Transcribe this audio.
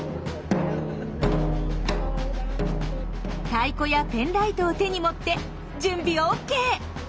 太鼓やペンライトを手に持って準備ＯＫ！